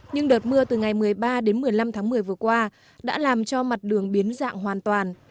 nhưng đợt mưa từ ngày một mươi ba đến một mươi năm tháng một mươi vừa qua đã làm cho mặt đường biến dạng hoàn toàn